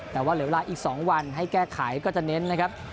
แต่ว่าเหลือเวลาอีก๒วันให้แก้ไขก็จะเน้นนะครับ